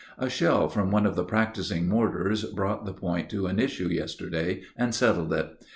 A shell from one of the practising mortars brought the point to an issue yesterday and settled it.